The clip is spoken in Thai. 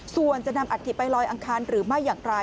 ส่วนจะนำอัฐิไปลอยอังคารหรือไม่อย่างไร